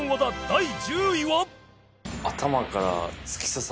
第１０位は